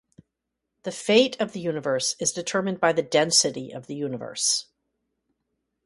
The fate of the universe is determined by the density of the universe.